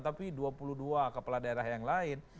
tapi dua puluh dua kepala daerah yang lain